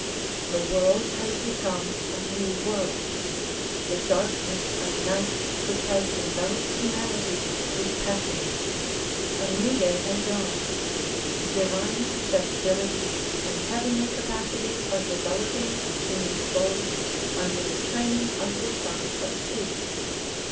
The world has become a new world. The darkness of night which has enveloped humanity is passing. A new day has dawned. Divine susceptibilities and heavenly capacities are developing in human souls under the training of the Sun of Truth.